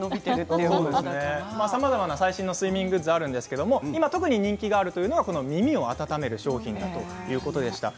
さまざまな最新睡眠グッズがあるんですが今、特に人気があるのが耳を温める商品ということでした。